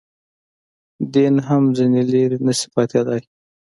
دین هم ځنې لرې نه شي پاتېدای.